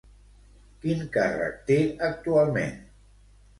Quin càrrec té actualment?